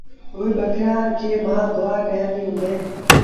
اُئي ٻڪرآڙ کي مآ دئآ ڪيآنديٚ هُݩدي۔